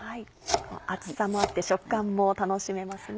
厚さもあって食感も楽しめますね。